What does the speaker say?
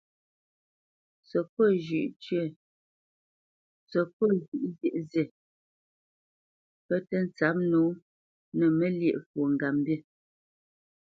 Səkôt zhʉ̌ʼ zyēʼ zînə, pɔ̌ tə́ ntsǎp nǒ nə Məlyéʼmbî fwo ŋgapmbî.